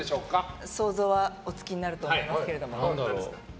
想像はおつきになると思いますけれども。